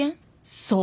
そう。